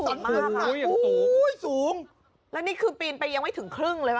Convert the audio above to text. โอ้โหสูงแล้วนี่คือปีนไปยังไม่ถึงครึ่งเลยป่